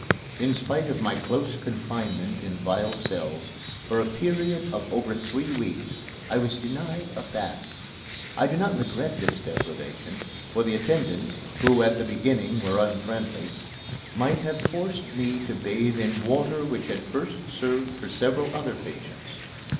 In spite of my close confinement in vile cells, for a period of over three weeks I was denied a bath. I do not regret this deprivation, for the attendants, who at the beginning were unfriendly, might have forced me to bathe in water which had first served for several other patients.